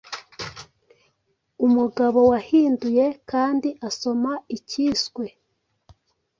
umugabo wahinduye kandi asoma icyiswe